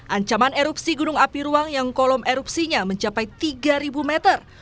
ancaman erupsi gunung api ruang yang kolom erupsinya mencapai tiga meter